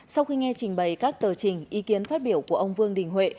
sau khi nghe trình bày các tờ trình ý kiến phát biểu của ông vương đình huệ